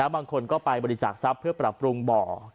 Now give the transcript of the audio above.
บางคนก็ไปบริจาคทรัพย์เพื่อปรับปรุงบ่อ